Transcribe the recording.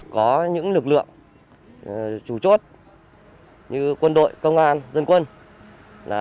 có những lực lượng chủ chốt như quân đội công an dân quân